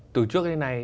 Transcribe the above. từ trước đến nay